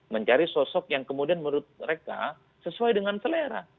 mencari sosok yang kemudian menurut mereka sesuai dengan selera